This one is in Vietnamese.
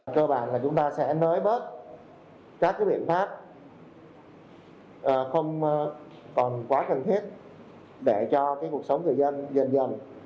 cơ bản là chúng ta sẽ nới bớt các biện pháp không còn quá cần thiết để cho cuộc sống người dân dần dần